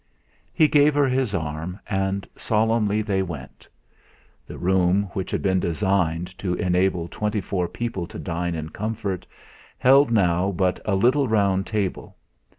He gave her his arm, and solemnly they went. The room, which had been designed to enable twenty four people to dine in comfort, held now but a little round table.